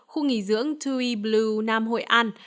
khu nghỉ dưỡng tui blue nam hội an